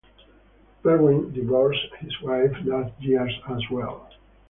Perrin divorced his wife that year as well.